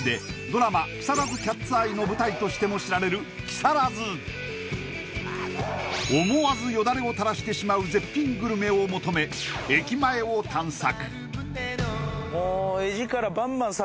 ドラマ「木更津キャッツアイ」の舞台としても知られる木更津思わずよだれを垂らしてしまう絶品グルメを求め駅前を探索